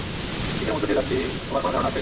কিসের মধ্য দিয়ে যাচ্ছি তোমার কোন ধারণা আছে?